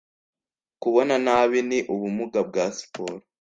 Kubona nabi ni ubumuga bwa siporo.